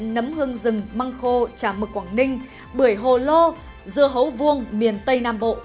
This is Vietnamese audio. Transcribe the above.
nấm hương rừng măng khô trà mực quảng ninh bưởi hồ lô dưa hấu vuông miền tây nam bộ